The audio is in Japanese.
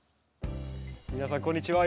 皆さんこんにちは。